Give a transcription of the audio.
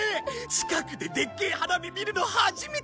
近くででっけえ花火見るの初めてだぜ。